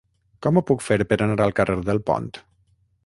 Com ho puc fer per anar al carrer del Pont?